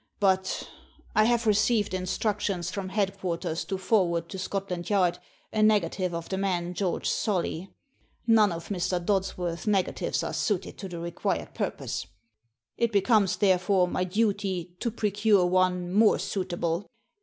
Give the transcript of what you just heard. But — I have received instructions from headquarters to forward to Scot land Yard a negative of the man George Solly. None of Mr. Dodsworth's negatives are suited to the required purpose. It becomes, therefore, my duty to procure one more suitable.